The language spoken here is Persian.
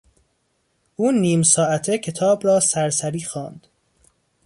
او نیم ساعته کتاب را سرسری خواند.